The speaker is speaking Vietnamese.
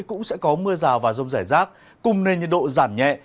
cũng sẽ có mưa rào và rông rải rác cùng nền nhiệt độ giảm nhẹ